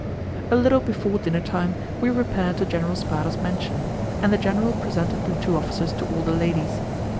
A little before dinner time we repaired to General Spada's mansion, and the general presented the two officers to all the ladies.